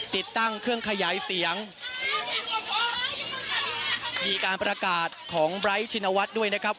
ติดตั้งเครื่องขยายเสียงมีการประกาศของด้วยนะครับ